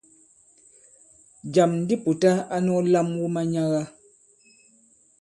Jàm di Pùta a nɔ̄k lam wu manyaga.